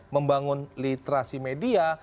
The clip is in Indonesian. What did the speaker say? membangun literasi media